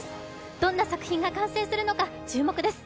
どんな作品が完成するのか注目です。